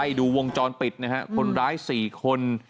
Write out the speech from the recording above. ดูวงจรปิดนะฮะคนร้าย๔คน